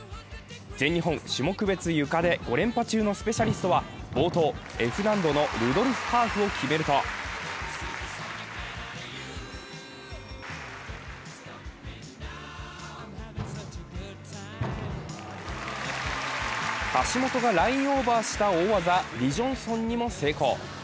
全日本種目別ゆかで５連覇中のスペシャリストは冒頭、Ｆ難度のルドルフハーフを決めると、橋本がラインオーバーした大技リ・ジョンソンにも成功。